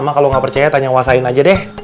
mak kalo gak percaya tanya wa sain aja deh